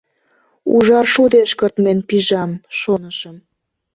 — Ужар шудеш кыртмен пижам, шонышым.